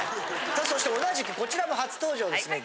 さあそして同じくこちらも初登場ですね。